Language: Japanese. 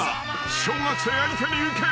［小学生相手に行け！